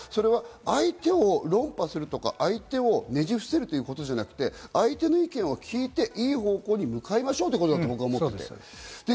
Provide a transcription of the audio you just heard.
相手を論破するとか、相手をねじ伏せるということではなくて、相手の意見を聞いて良い方向に向かいましょうということだと思ってる。